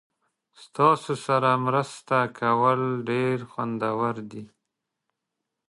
ستاسو سره مرسته کول ډیر خوندور دي.